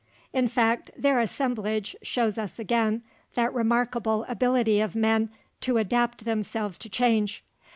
In fact, their assemblage shows us again that remarkable ability of men to adapt themselves to change.